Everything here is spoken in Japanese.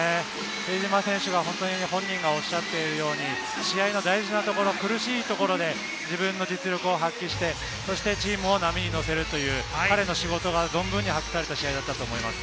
比江島選手が本人がおっしゃってるように、試合の大事なところ、苦しいところで自分の実力を発揮して、そしてチームを波に乗せるという彼の仕事が存分に発揮された試合だったと思います。